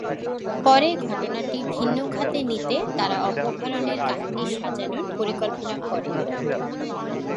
পরে ঘটনাটি ভিন্ন খাতে নিতে তারা অপহরণের কাহিনি সাজানোর পরিকল্পনা করে।